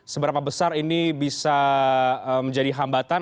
seberapa besar ini bisa menjadi hambatan